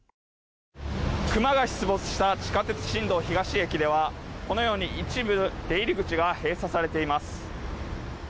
クマが出没した地下鉄新道東駅ではこのように一部、出入り口が閉鎖されています。